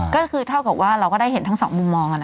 ก็คือเท่ากับว่าเราก็ได้เห็นทั้งสองมุมมอง